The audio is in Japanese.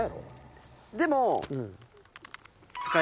でも。